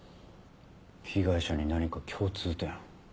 被害者に何か共通点。